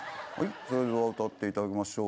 それでは歌って頂きましょう。